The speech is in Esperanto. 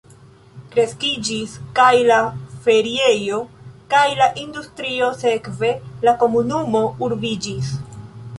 Kreskiĝis kaj la feriejo, kaj la industrio, sekve la komunumo urbiĝis.